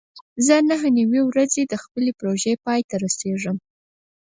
زه نهه نوي ورځې وروسته د خپلې پروژې پای ته رسېږم.